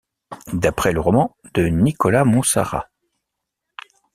D'après le roman de Nicholas Monsarrat.